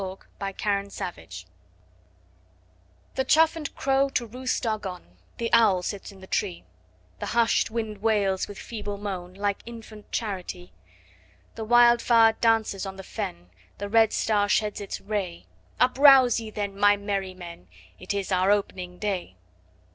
The Outlaw's Song THE chough and crow to roost are gone, The owl sits on the tree, The hush'd wind wails with feeble moan, Like infant charity. The wild fire dances on the fen, 5 The red star sheds its ray; Uprouse ye then, my merry men! It is our op'ning day.